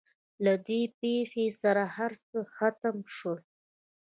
له دې پېښې سره هر څه ختم شول.